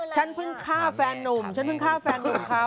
ฉันเพิ่งฆ่าแฟนหนุ่ม